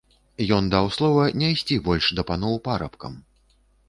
Ён даў слова не ісці больш да паноў парабкам.